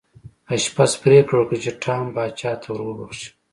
آشپز پریکړه وکړه چې ټام پاچا ته ور وښيي.